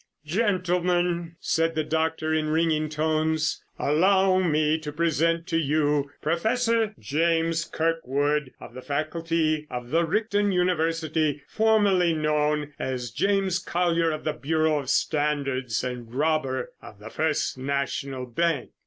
"Gentlemen," said the doctor in ringing tones, "allow me to present to you Professor James Kirkwood of the faculty of the Richton University, formerly known as James Collier of the Bureau of Standards, and robber of the First National Bank."